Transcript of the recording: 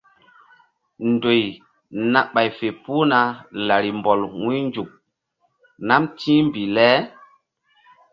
Ndoy na ɓay fe puhna larimbɔl wu̧ynzuk nam ti̧hmbih le.